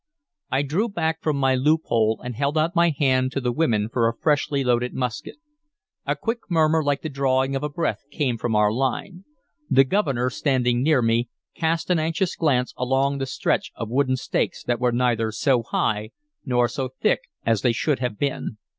I drew back from my loophole, and held out my hand to the women for a freshly loaded musket. A quick murmur like the drawing of a breath came from our line. The Governor, standing near me, cast an anxious glance along the stretch of wooden stakes that were neither so high nor so thick as they should have been.